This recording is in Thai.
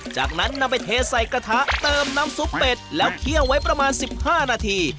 จากนั้นนำไปเทใส่กระทะเติมน้ำซุปเป็ดแล้วเคี่ยวไว้ประมาณ๑๕นาที